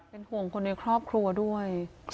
เป็นห่วงคนในครอบครัวด้วย